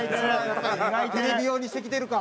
テレビ用にしてきてるか。